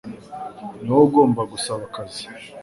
Ni wowe ugomba gusaba akazi